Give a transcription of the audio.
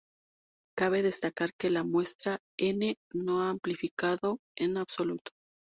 Cabe destacar que la muestra N no ha amplificado en absoluto.